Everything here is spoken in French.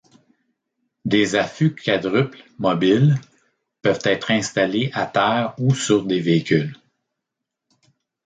Des affûts quadruples mobiles peuvent être installés à terre ou sur des véhicules.